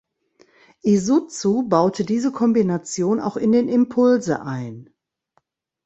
Isuzu baute diese Kombination auch in den Impulse ein.